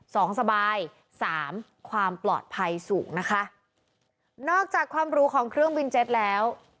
สบายสามความปลอดภัยสูงนะคะนอกจากความรู้ของเครื่องบินเจ็ตแล้ว